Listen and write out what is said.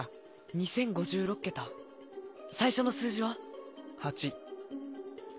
２０５６桁最初の数字は？